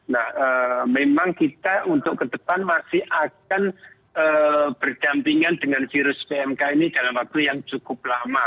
nah memang kita untuk ke depan masih akan berdampingan dengan virus pmk ini dalam waktu yang cukup lama